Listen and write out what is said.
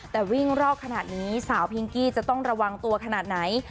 แต่วิ่งรอบขนาดนี้สาวพิงกี้จะต้องระวังตัวขนาดไหน